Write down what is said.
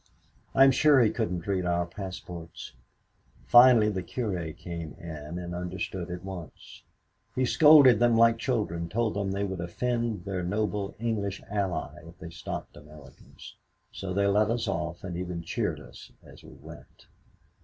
I'm sure he couldn't read our passports. Finally the curé came in and he understood at once. He scolded them like children told them they would offend their noble English ally if they stopped Americans. So they let us off and even cheered us as we went.